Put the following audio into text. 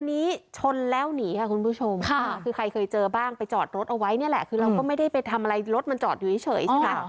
อันนี้ชนแล้วหนีค่ะคุณผู้ชมค่ะคือใครเคยเจอบ้างไปจอดรถเอาไว้นี่แหละคือเราก็ไม่ได้ไปทำอะไรรถมันจอดอยู่เฉยใช่ไหมคะ